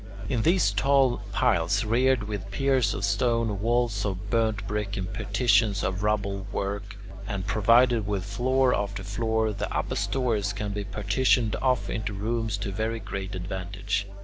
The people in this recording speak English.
In these tall piles reared with piers of stone, walls of burnt brick, and partitions of rubble work, and provided with floor after floor, the upper stories can be partitioned off into rooms to very great advantage.